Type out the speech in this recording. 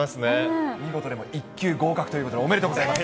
見事、１級合格ということで、おめでとうございます。